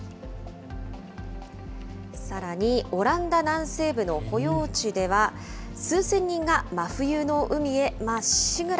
さらにオランダ南西部の保養地では、数千人が真冬の海へまっしぐら。